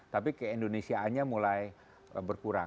tapi keindonesiaannya mulai berkurang